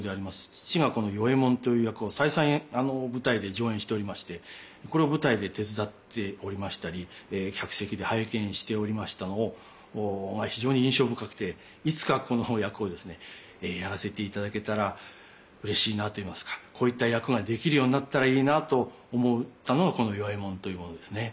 父がこの与右衛門という役を再三舞台で上演しておりましてこれを舞台で手伝っておりましたり客席で拝見しておりましたのを非常に印象深くていつかこのお役をですねやらせていただけたらうれしいなといいますかこういった役ができるようになったらいいなと思ったのがこの与右衛門というものですね。